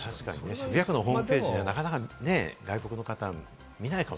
渋谷区のホームページ、なかなか外国の方は見ないし。